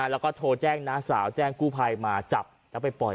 แล้วก็โทรแจ้งน้าสาวแจ้งกู้ภัยมาจับแล้วไปปล่อย